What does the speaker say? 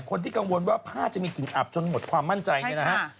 คนที่กังวลว่าผ้าจะมีกลิ่นอับจนหมดความมั่นใจเนี่ยนะฮะ